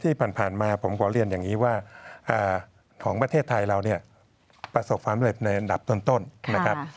ที่ผ่านมาผมขอเรียนอย่างนี้ว่าของประเทศไทยเราเนี่ยประสบความเร็จในอันดับต้นนะครับ